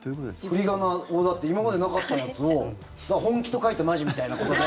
振り仮名を今までなかったやつを本気と書いてマジみたいなことで。